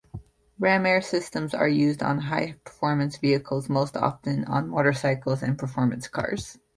Ram-air systems are used on high-performance vehicles, most often on motorcycles and performance cars.